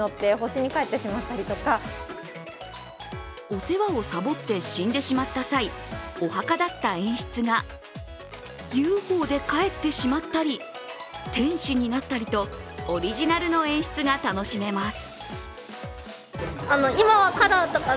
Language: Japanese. お世話をサボって死んでしまった際、お墓だった演出がＵＦＯで帰ってしまったり天使になったりとオリジナルの演出が楽しめます。